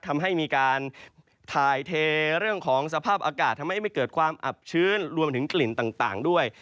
ทำให้มีการถ่ายเทเรื่องของสภาพอากาศทำให้ไม่เกิดความอับชื้นรวมถึงกลิ่นต่างด้วย